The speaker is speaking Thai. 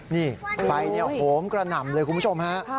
นี่ไฟโหมกระหน่ำเลยคุณผู้ชมฮะ